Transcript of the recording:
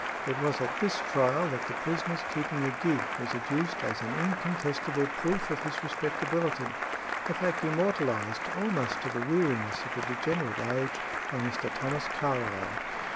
It was at this trial that the prisoner's keeping a gig was adduced as an incontestible proof of his respectability a fact immortalised, almost to the weariness of a degenerate age, by Mr. Thomas Carlyle.